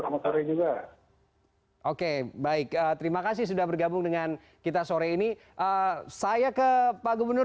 selamat sore juga oke baik terima kasih sudah bergabung dengan kita sore ini saya ke pak gubernur